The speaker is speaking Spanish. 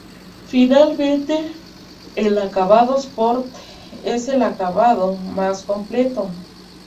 Finalmente, el acabado Sport es el acabado más completo.